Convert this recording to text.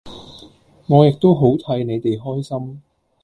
我亦都好替你地開心